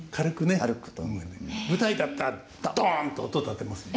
舞台だったら「ドン」と音立てますよね。